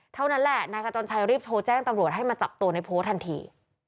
เท่านั้นแหละนายขจรชัยรีบโทรแจ้งตำรวจให้มาจับตัวในโพลทันที